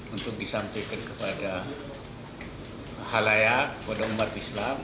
untuk disampaikan kepada hal layak kepada umat islam